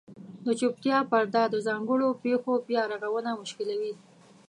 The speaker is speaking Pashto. د چوپتیا پرده د ځانګړو پېښو بیارغونه مشکلوي.